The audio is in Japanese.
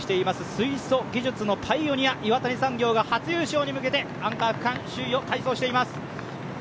水素技術のパイオニア・岩谷産業が初優勝に向けて、アンカー区間、首位を快走しています。